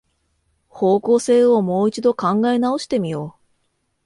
方向性をもう一度考え直してみよう